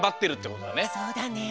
そうだね。